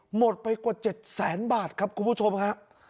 หมดไปกว่า๗แสนบาทครับคุณผู้ชมฮะ